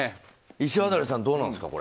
石渡さん、どうなんですか？